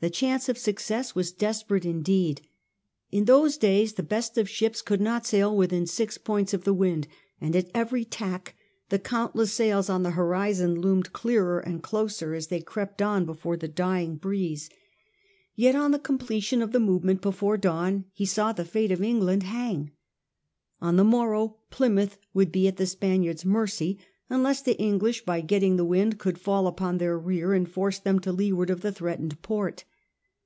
The chance of success was desperate indeed. In those days the best of ships could not sail within six points of the wind, and at every tack the countless sails on the horizon loomed clearer and closer as they crept on before the dying breeze. Yet on the completion of the movement before the dawn, he saw the fate of England hang. On the morrow Plymouth would be at the Spaniards' mercy, unless the English by getting the wind could fall upon their rear and force them to leeward of the threatened port.